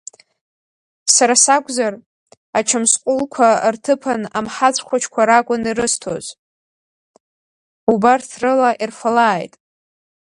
Сара сакәзар, ачамсҟәылқәа рҭыԥан амҳаҵә хәыҷқәа ракәын ирысҭоз, убарҭ рыла ирфалааит!